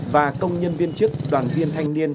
và công nhân viên trước đoàn viên thanh niên